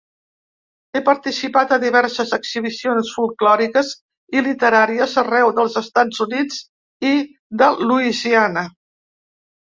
Ha participat a diverses exhibicions folklòriques i literàries arreu dels Estats Units i de Louisiana.